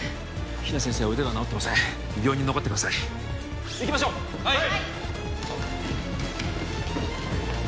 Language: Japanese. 比奈先生は腕が治ってません病院に残ってください行きましょうはい！